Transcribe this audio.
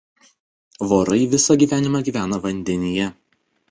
Vorai visą gyvenimą gyvena vandenyje.